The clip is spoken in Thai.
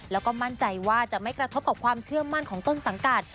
แล้วก็มั่นใจว่าจะไม่กระทบกับความเชื่อมั่นของต้นสังกัด